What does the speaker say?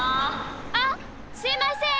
あっすいません！